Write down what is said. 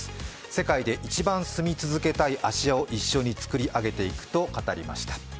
世界で一番住み続けたい芦屋を一緒に作り上げていくと語りました。